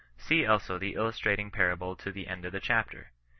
See also the illustrating parable to the end of the chapter.